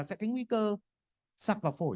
sẽ thấy nguy cơ sặc vào phổi